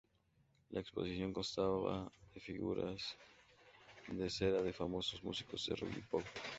La exposición constaba de figuras de cera de famosos músicos de rock y pop.